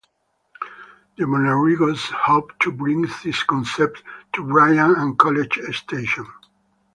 The Bonarrigos hope to bring this concept to Bryan and College Station.